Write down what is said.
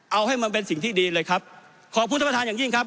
เอาให้มันเป็นสิ่งที่ดีเลยครับขอบคุณท่านประธานอย่างยิ่งครับ